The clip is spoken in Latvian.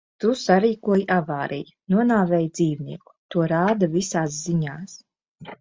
Tu sarīkoji avāriju, nonāvēji dzīvnieku. To rāda visās ziņās.